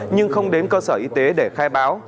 nhưng không đến cơ sở y tế để khai báo